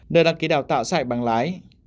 nơi đăng ký đào tạo xã hội bằng lái